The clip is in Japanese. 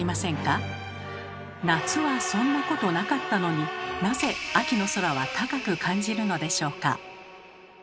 夏はそんなことなかったのになぜ秋の空は高く感じるのでしょうか？